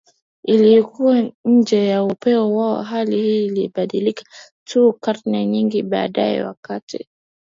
Ilikuwa nje ya upeo wao Hali hii ilibadilika tu karne nyingi baadaye wakati